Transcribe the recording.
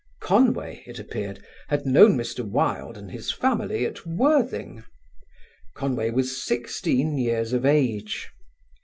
Conway, it appeared, had known Mr. Wilde and his family at Worthing. Conway was sixteen years of age....